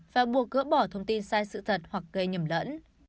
và buộc gỡ bỏ thông tin sai sự thật hoặc gây nhầm lẫn